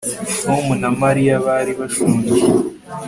Tom na Mariya bari bashonje